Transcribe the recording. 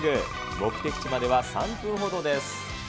目的地までは３分ほどです。